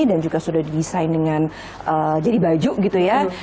dan juga sudah desain dengan jadi baju gitu ya